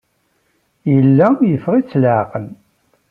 Yella yeffeɣ-it leɛqel.